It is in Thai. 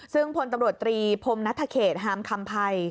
ซึ่งพลตำรวจตรีพรมนัทเขตฮามคำภัย